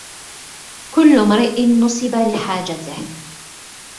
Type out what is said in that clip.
كل امرئ نصب لحاجته